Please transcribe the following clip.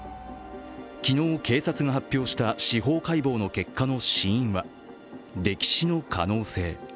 昨日、警察が発表した司法解剖の結果の死因は溺死の可能性。